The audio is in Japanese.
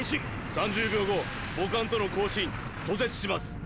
３０秒後母艦との交信途絶します。